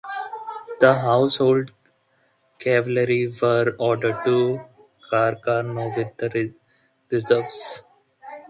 The Household Cavalry were ordered to Carcarno with the reserves.